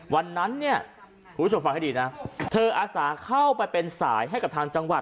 วันนั้นเนี่ยคุณผู้ชมฟังให้ดีนะเธออาสาเข้าไปเป็นสายให้กับทางจังหวัด